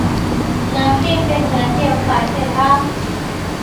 เนื้อครีมเป็นเนื้อเจลคล้ายเซรั่ม